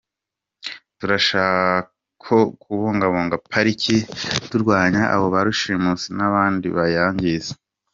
Tuzarushaho kubungabunga Pariki turwanya ba rushimusi n’abandi bayangiza.